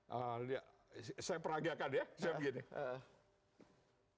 saya peragiakan ya saya begini